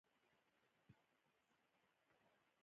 موږ د کمزورو تر شا وتښتو.